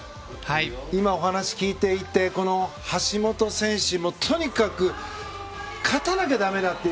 今、お話を聞いていて橋本選手はとにかく勝たなきゃだめだと。